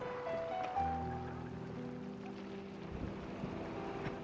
tuhan aku ingin menang